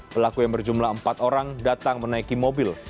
pelaku yang berjumlah empat orang datang menaiki mobil